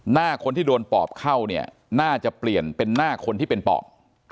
หน้าคนที่โดนปอบเข้าเนี่ยน่าจะเปลี่ยนเป็นหน้าคนที่เป็นปอบ